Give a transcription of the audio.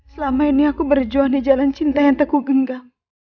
selama ini aku berjuang di jalan cinta yang teku genggam